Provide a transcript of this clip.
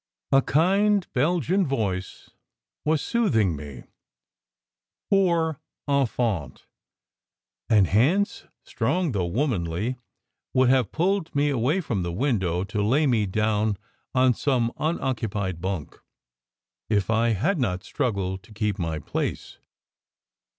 A kind Belgian voice was soothing me: " Pauvre enfantl" and hands, strong, though womanly, would have pulled me away from the window to lay me down on some unoccupied bunk, if I had not struggled to keep my place.